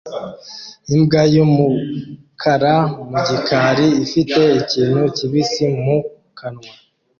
Imbwa y'umukara mu gikari ifite ikintu kibisi mu kanwa